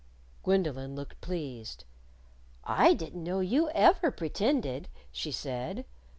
Gwendolyn looked pleased. "I didn't know you ever pretended," she said.